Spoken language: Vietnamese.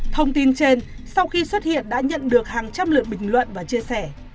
thông tin trên sau khi xuất hiện đã nhận được hàng trăm lượt bình luận và chia sẻ